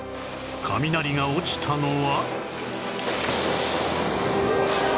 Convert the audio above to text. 雷が落ちたのは